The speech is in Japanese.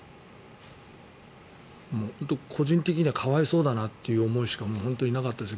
個人的には可哀想だなという思いしかなかったです。